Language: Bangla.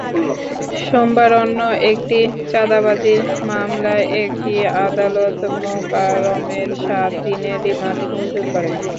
সোমবার অন্য একটি চাঁদাবাজির মামলায় একই আদালত মোকাররমের সাত দিনের রিমান্ড মঞ্জুর করেন।